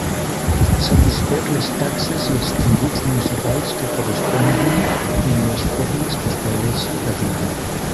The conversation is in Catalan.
Satisfer les taxes i els tributs municipals que corresponguin i en les formes que estableixi l'Ajuntament.